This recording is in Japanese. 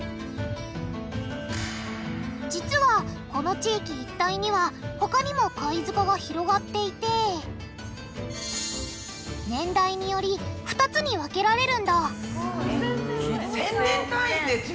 実はこの地域一帯には他にも貝塚が広がっていて年代により２つに分けられるんだ１０００年単位で違うんだ。